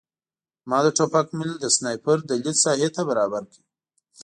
ما د ټوپک میل د سنایپر د لید ساحې ته برابر کړ